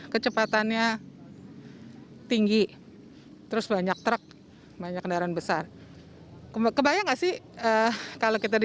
kecepatannya tinggi terus banyak truk banyak kendaraan besar kebayang nggak sih kalau kita di